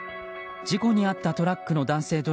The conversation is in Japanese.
事故に遭ったトラックの男性